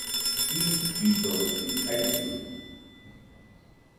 Jiibedosi jaillude